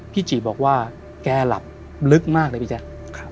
จิบอกว่าแกหลับลึกมากเลยพี่แจ๊ค